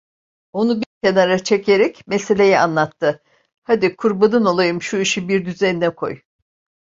Onu bir kenara çekerek meseleyi anlattı: "Hadi kurbanın olayım, şu işi bir düzenine koy…"